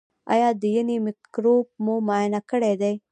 ایا د ینې مکروب مو معاینه کړی دی؟